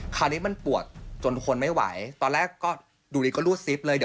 คราวนี้มันปวดจนทุกคนไม่ไหวตอนแรกก็ดูดีก็รูดซิฟเลย